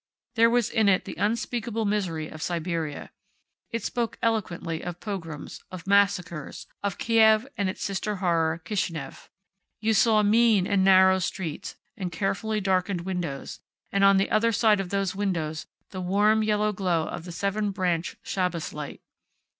There was in it the unspeakable misery of Siberia. It spoke eloquently of pogroms, of massacres, of Kiev and its sister horror, Kishineff. You saw mean and narrow streets, and carefully darkened windows, and, on the other side of those windows the warm yellow glow of the seven branched Shabbos light.